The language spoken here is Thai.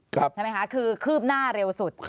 ใช่ไหมคะคือคืบหน้าเร็วสุด